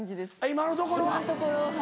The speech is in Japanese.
今のところは。